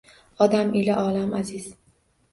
Odam ila olam aziz